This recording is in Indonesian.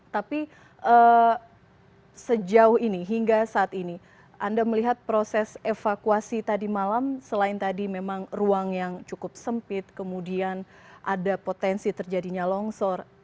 tapi sejauh ini hingga saat ini anda melihat proses evakuasi tadi malam selain tadi memang ruang yang cukup sempit kemudian ada potensi terjadinya longsor